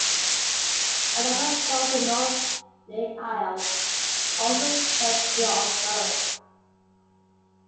Another boss in the north nave aisle is also said to be of her.